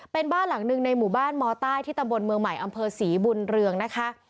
เป็นบ้านหลังหนึ่งในหมู่บ้านมใต้ที่ตำบลเมืองใหม่อำเภอศรีบุญเรืองนะคะ